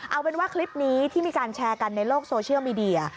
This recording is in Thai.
เอาเป็นว่าคลิปนี้ที่มีการแชร์กันในโลกโซเชียลมีเดีย